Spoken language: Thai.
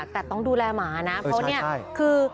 แต่ต้องดูแลหมานะเพราะเนี่ยคือ